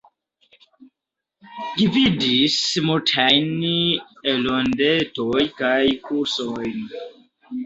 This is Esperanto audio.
Gvidis multajn E-rondetojn kaj kursojn.